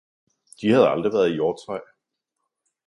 De havde aldrig været i Hjortshøj